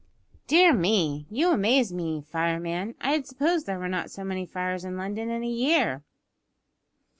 "Dear me! you amaze me, fireman; I had supposed there were not so many fires in London in a year."